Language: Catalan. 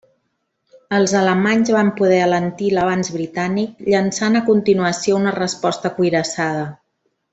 Els alemanys van poder alentir l'avanç britànic, llançant a continuació una resposta cuirassada.